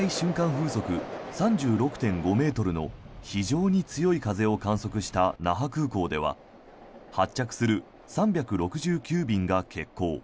風速３６．５ｍの非常に強い風を観測した那覇空港では発着する３６９便が欠航。